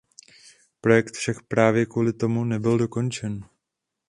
Projekt však právě kvůli tomu nebyl dokončen.